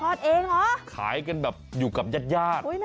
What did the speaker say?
ทอดเองเหรอหน้าสนใจขายอยู่กับญาติญ่า